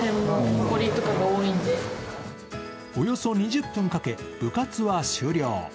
およそ２０分かけ部活は終了。